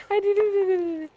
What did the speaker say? aduh aduh aduh